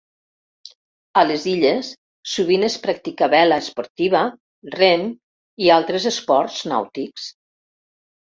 A les illes sovint es practica vela esportiva, rem i altres esports nàutics.